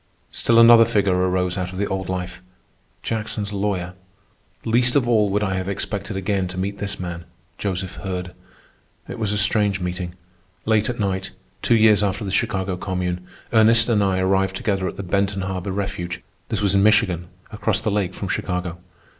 Still another figure arises out of the old life—Jackson's lawyer. Least of all would I have expected again to meet this man, Joseph Hurd. It was a strange meeting. Late at night, two years after the Chicago Commune, Ernest and I arrived together at the Benton Harbor refuge. This was in Michigan, across the lake from Chicago.